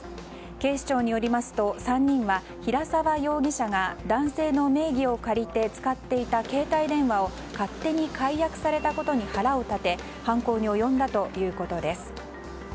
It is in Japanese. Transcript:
警視庁によりますと３人は、平沢容疑者が男性の名義を借りて使っていた携帯電話を勝手に解約されたことに腹を立て犯行に及んだということです。